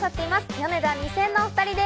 ヨネダ２０００のお２人です。